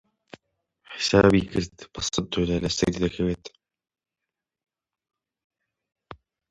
حیسابی کرد بە سەد دۆلار لەسەری دەکەوێت.